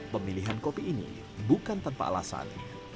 pemilihan kopi ini bukan tanpa alasan